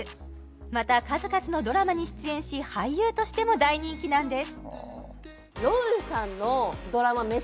また数々のドラマに出演し俳優としても大人気なんです